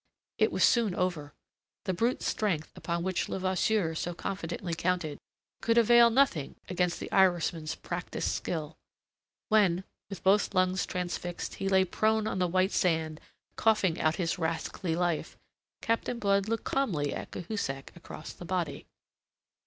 It was soon over. The brute strength, upon which Levasseur so confidently counted, could avail nothing against the Irishman's practised skill. When, with both lungs transfixed, he lay prone on the white sand, coughing out his rascally life, Captain Blood looked calmly at Cahusac across the body.